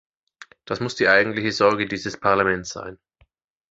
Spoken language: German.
Das muss die eigentliche Sorge dieses Parlaments sein.